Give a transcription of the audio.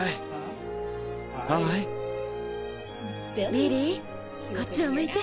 ビリーこっちを向いて。